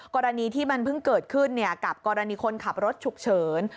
กรณีที่มันเพิ่งเกิดขึ้นกับกรณีคนขับรถฉุกเฉิน